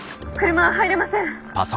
車は入れません。